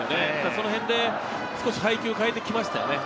そのへんで少し配球を変えてきました。